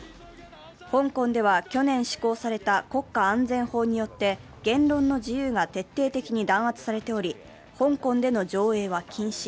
香港では去年施行された国家安全法によって言論の自由が徹底的に弾圧されており、香港での上映は禁止。